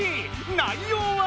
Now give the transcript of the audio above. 内容は。